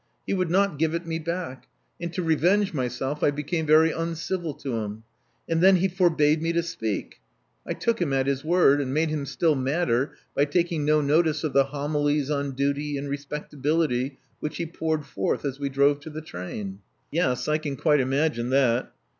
He would not give it me back; and to revenge myself I became very uncivil to him ; and then he forbade me to speak. I took him at his word, and made him still madder by taking no notice of the homilies on duty and respect ability which he poured forth as we drove to the train. " 78 Love Among the Artists Yes: I can quite imagine that.